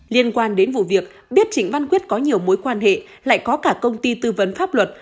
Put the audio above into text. liên quan đến vụ việc biết trịnh văn quyết có nhiều mối quan hệ lại có cả công ty tư vấn pháp luật